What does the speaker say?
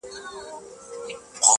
خو د لفظونو بغاوت خاورې ايرې کړ _